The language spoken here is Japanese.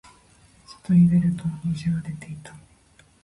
外に出ると虹が出ていた。